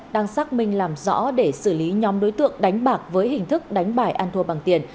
đang xác minh làm rõ để xử lý nhóm đối tượng đánh bạc với hình thức đánh bài ăn thua bằng tiền